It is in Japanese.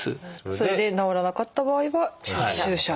それで治らなかった場合は「注射」と。